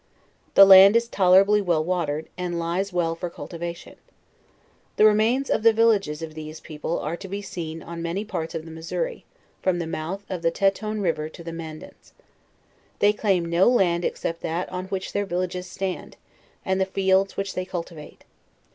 The land is tolerably well watered, and lies well for cultivation. The remains of the villages of these people are to be seen on many parts of the Missouri, from the mouth qf Tetone river to the Mandans. They claim no land except that on which their villages stand, and the fields which they cultivate.